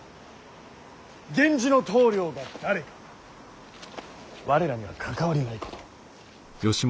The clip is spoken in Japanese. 源氏の棟梁が誰か我らには関わりないこと。